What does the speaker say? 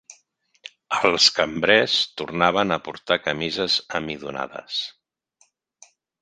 Els cambrers tornaven a portar camises emmidonades